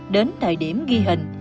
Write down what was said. đến thời điểm ghi hình